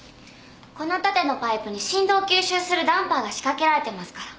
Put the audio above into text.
この縦のパイプに振動を吸収するダンパーが仕掛けられてますから。